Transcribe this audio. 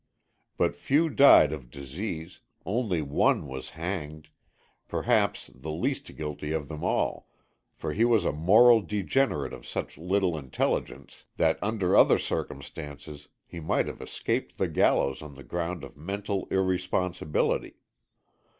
But few died of disease, only one was hanged, perhaps the least guilty of them all, for he was a moral degenerate of such little intelligence that under other circumstances he might have escaped the gallows on the ground of mental irresponsibility.